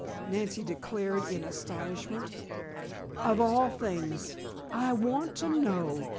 Nancy declared in astonishment. "Of all things! I want to know!